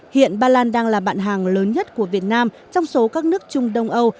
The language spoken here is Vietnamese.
hiện ba lan đang là bạn hàng lớn nhất của việt nam trong số các nước trung đông âu